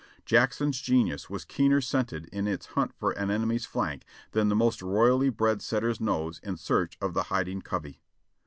Jackson's genius was keener scented in its hunt for an enemy's flank than the most royally bred setter's nose in search of the hiding covey.